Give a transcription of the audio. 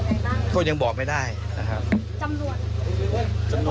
เป็นยังไงบ้างก็ยังบอกไม่ได้นะครับจำรวจ